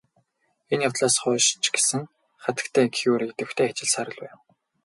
Энэ явдлаас хойш ч гэсэн хатагтай Кюре идэвхтэй ажилласаар л байв.